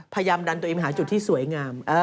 พยายามดันตัวเองไปหาจุดที่สวยงาม